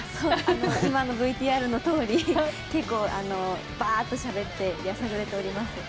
今のＶＴＲのとおり結構バーッとしゃべってやさぐれております。